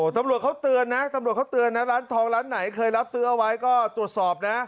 ธรรมดาเขาเตือนนะที่ทองร้านไหนเอาซื้อไว้ก็ตรวจสอบ๔๓๔๐๐๒